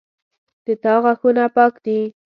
د تا غاښونه پاک دي